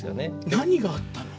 何があったの？